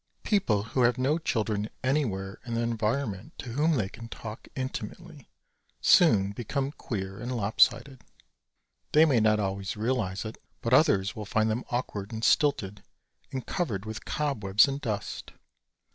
People who have no children anywhere in their environment to whom they can talk intimately soon become queer and lop sided. They may not always realize it but others will find them awkward and stilted and covered with cobwebs and dust.